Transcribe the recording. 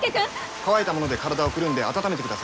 乾いたもので体をくるんで温めてください。